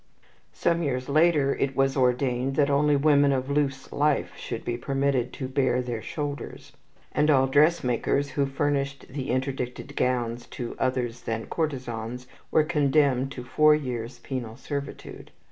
Some years later it was ordained that only women of loose life should be permitted to bare their shoulders; and all dressmakers who furnished the interdicted gowns to others than courtesans were condemned to four years' penal servitude.